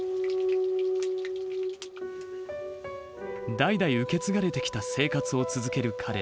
代々受け継がれてきた生活を続ける彼ら。